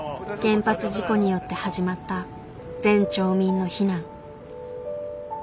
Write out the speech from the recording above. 原発事故によって始まった全町民の避難。